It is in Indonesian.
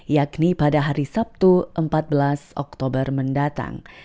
yakni pada hari sabtu empat belas oktober mendatang